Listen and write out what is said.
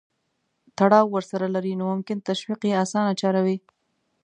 تړاو ورسره لري نو ممکن تشویق یې اسانه چاره وي.